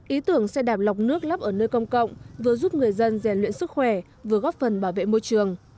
ý tưởng xe đạp lọc nước lắp ở nơi công cộng vừa giúp người dân rèn luyện sức khỏe vừa góp phần bảo vệ môi trường